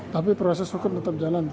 tapi proses hukum tetap jalan